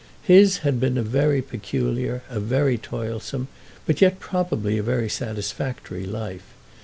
His had been a very peculiar, a very toilsome, but yet probably a very satisfactory life.